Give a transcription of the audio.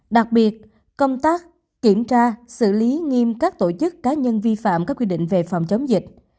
đặc biệt công tác kiểm tra xử lý nghiêm các tổ chức cá nhân vi phạm các quy định về phòng chống dịch